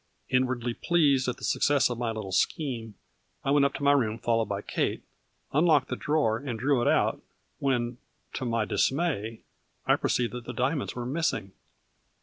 Inwardly pleased at the success of my little scheme, I went up to my room followed by Kate, unlocked the drawer and drew it out, when, to my dismay, I perceived that the diamonds were missing.